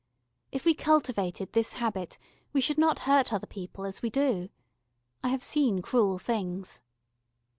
If we cultivated this habit we should not hurt other people as we do. I have seen cruel things.